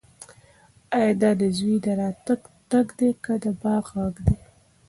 ایا دا د زوی د راتګ ټک دی که د باد غږ دی؟